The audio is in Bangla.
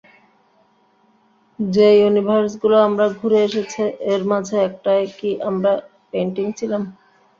যে ইউনিভার্সগুলো আমরা ঘুরে এসেছে, এর মাঝে একটায় কি আমরা পেইন্টিং ছিলাম?